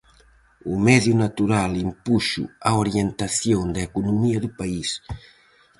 O medio natural impuxo a orientación da economía do país.